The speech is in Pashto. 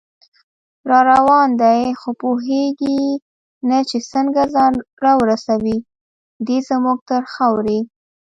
راروان دی خو پوهیږي نه چې څنګه، ځان راورسوي دی زمونږ تر خاورې